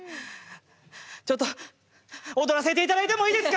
ちょっと踊らせて頂いてもいいですか？